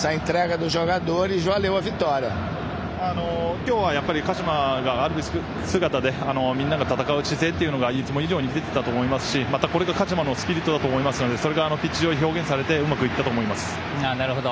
今日は鹿島でみんなが戦う姿勢がいつも以上に出ていたと思いますし鹿島のスピリットだと思うのでピッチ上で表現されてうまくいったと思います。